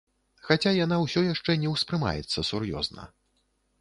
Хаця яна ўсё яшчэ не ўспрымаецца сур'ёзна.